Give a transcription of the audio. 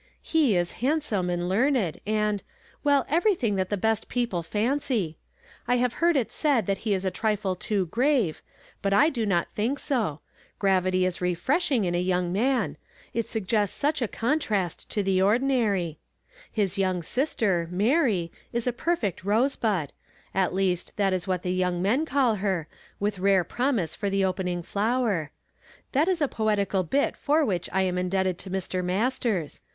He is handsome and learned and — well, everything that the best people fancy. Kf' I m t 122 YESTERDAY FKA.MKD IN TO DAV. I liiivo lioard it said that he is a triflie too grave, but I do not think so; gravity is refreshing in a young man ; it suggests such a contrast to the or dinary. 1 1 is young sister, Mary, is a perfect rose bud ; at least, that is what the young men call her, with rare promise for the opening flower. That is a poetical bit for which I am indebted to Mr. Masters.